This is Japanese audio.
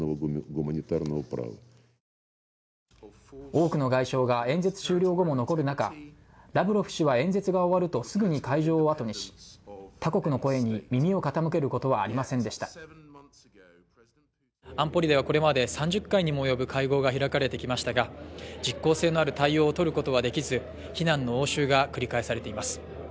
多くの外相が演説終了後も残る中ラブロフ氏は演説が終わるとすぐに会場をあとにし他国の声に耳を傾けることはありませんでした安保理ではこれまで３０回にも及ぶ会合が開かれてきましたが実効性のある対応を取ることはできず非難の応酬が繰り返されています